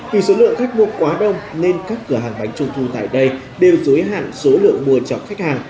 vì số lượng khách mua quá đông nên các cửa hàng bánh trung thu tại đây đều giới hạn số lượng mua cho khách hàng